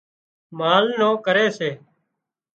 مال نُون ڪري سي